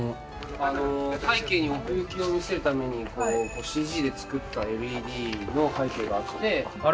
あの背景に奥行きを見せるためにＣＧで作ったＬＥＤの背景があってあれ